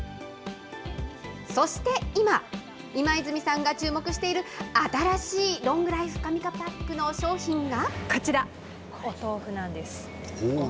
そして今、今泉さんが注目している新しいロングライフ紙パックの商品が。